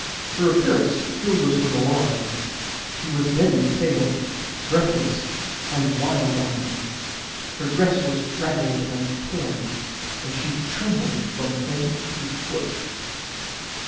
Her appearance filled us with alarm. She was deadly pale, breathless, and wild eyed; her dress was draggled and torn, and she trembled from head to foot.